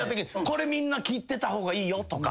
「これみんな聞いてた方がいいよ」とか。